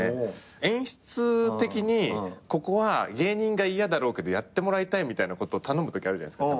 演出的にここは芸人が嫌だろうけどやってもらいたいみたいなこと頼むときあるじゃないですか。